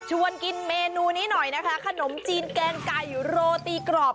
กินเมนูนี้หน่อยนะคะขนมจีนแกงไก่โรตีกรอบ